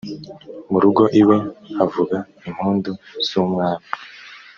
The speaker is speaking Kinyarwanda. murugo iwe havuga impundu z’umwami.